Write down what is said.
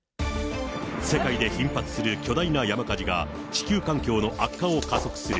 世界で頻発する巨大な山火事が、地球環境の悪化を加速する。